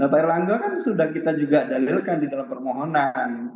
pak erlangga kan sudah kita juga dalilkan di dalam permohonan